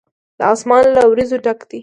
دا آسمان له وريځو ډک دی.